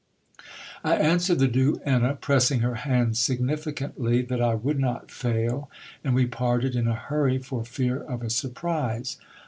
I answered the duenna, pressing her hand significantly, that I would not fail, and we parted in a hurry for fear of a sur prise.